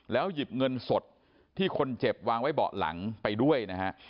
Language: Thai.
หยิบเงินสดที่คนเจ็บวางไว้เบาะหลังไปด้วยนะฮะ